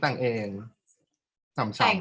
แต่งเองฟาดหน้าผมฟาดเองค่ะ